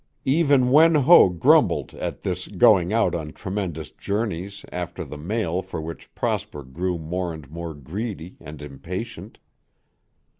Even Wen Ho grumbled at this going out on tremendous journeys after the mail for which Prosper grew more and more greedy and impatient.